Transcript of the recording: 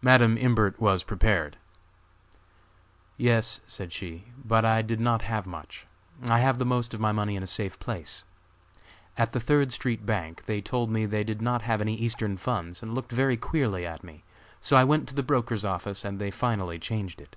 Madam Imbert was prepared. "Yes," said she, "but I did not have much. I have the most of my money in a safe place. At the Third street bank, they told me they did not have any Eastern funds and looked very queerly at me, so I went to the brokers' office and they finally changed it.